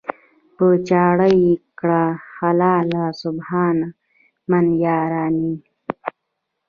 "په چاړه یې کړه حلاله سبحان من یرانی".